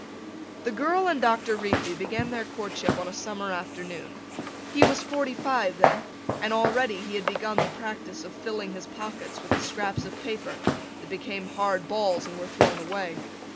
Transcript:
The girl and Doctor Reefy began their courtship on a summer afternoon. He was forty five then and already he had begun the practice of filling his pockets with the scraps of paper that became hard balls and were thrown away.